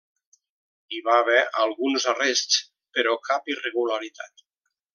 Hi va haver alguns arrests, però cap irregularitat.